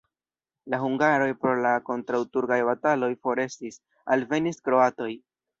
La hungaroj pro la kontraŭturkaj bataloj forestis, alvenis kroatoj.